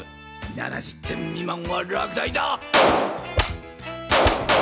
７０点未満は落第だ！